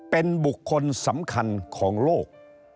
เป็นบุคคลสำคัญของโลก